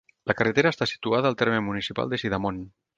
La carretera està situada al terme municipal de Sidamon.